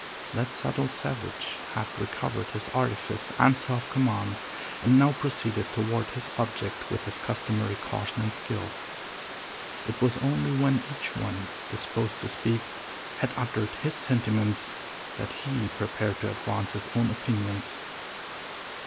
That subtle savage had recovered his artifice and self command, and now proceeded toward his object with his customary caution and skill. It was only when each one disposed to speak had uttered his sentiments, that he prepared to advance his own opinions.